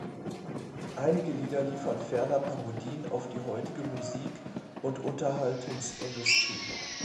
Einige Lieder liefern ferner Parodien auf die heutige Musik- und Unterhaltungsindustrie.